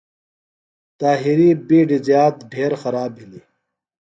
طاہر یۡ بیڈیۡ زیات ڈھیر خراب بھِلیۡ۔